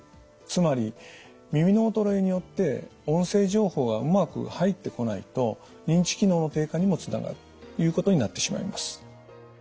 つまり耳の衰えによって音声情報がうまく入ってこないと認知機能の低下にもつながるということになってしまいます。